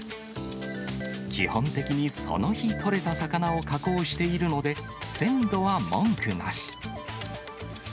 基本的にその日取れた魚を加工しているので、鮮度は文句なし。